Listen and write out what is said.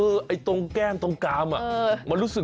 ไอ้ตรงแก้มตรงกามมันรู้สึก